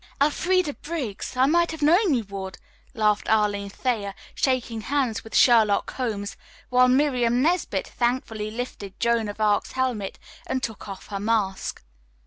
"Elfreda Briggs! I might have known you would," laughed Arline Thayer, shaking hands with "Sherlock Holmes," while Miriam Nesbit thankfully lifted "Joan of Arc's" helmet and took off her mask.